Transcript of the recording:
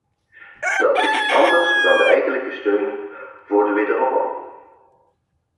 Dat is iets anders dan de eigenlijke steun voor de wederopbouw.